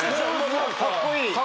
何かかっこいい。